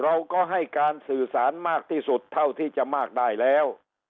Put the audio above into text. เราก็ให้การสื่อสารมากที่สุดเท่าที่จะมากได้แล้ว